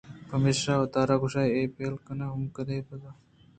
پمیشا وتارا گوٛشتےاے پیل کہ مَنا قدّءُ بالاد ءَ بے کساس مستر اِنت ءُ کُتّ ئے ءَ چو تُرسیت